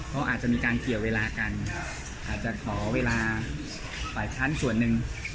เพราะอาจจะมีการเกี่ยวเวลากันอาจจะขอเวลาฝ่ายค้านส่วนหนึ่ง